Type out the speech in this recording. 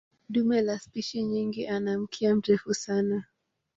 Dume la spishi nyingi ana mkia mrefu sana.